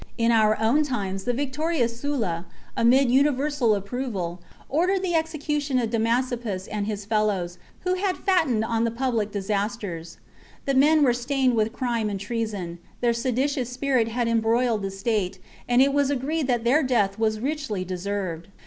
In our own times the victorious Sulla, amid universal approval, ordered the execution of Damasippus and his fellows, who had fattened on the public disasters. ^ The men were stained with crime and treason, their seditious spirit had embroiled the state, and it was agreed that their death was richly deserved..